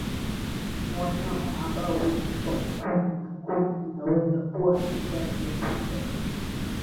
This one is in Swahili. Ni wanyama ambao huishi kwa makundi na kundi linaweza kuwa na idadi ya twiga